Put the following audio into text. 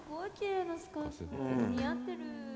似合ってる。